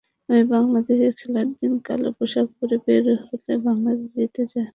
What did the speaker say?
আমি বাংলাদেশের খেলার দিন কালো পোশাক পরে বের হলে বাংলাদেশ জিতে যায়।